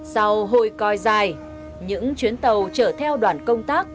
sau hồi coi dài những chuyến tàu chở theo đoàn công tác